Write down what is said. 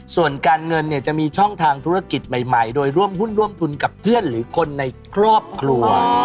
ส่วนการเงินเนี่ยจะมีช่องทางธุรกิจใหม่โดยร่วมหุ้นร่วมทุนกับเพื่อนหรือคนในครอบครัว